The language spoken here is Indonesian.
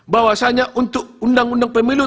bahwasanya untuk undang undang pemilu